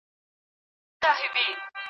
ژان والژان د کوزت پالنه په غاړه واخیسته.